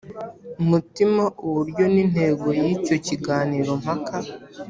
mutima uburyo n’intego y’icyo kiganiro mpaka.